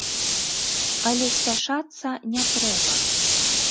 Але спяшацца не трэба.